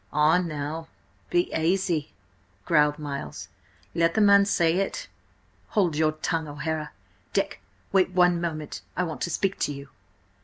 "Ah, now, be aisy," growled Miles. "Let the man say it!" "Hold your tongue, O'Hara! Dick, wait one moment! I want to speak to you!"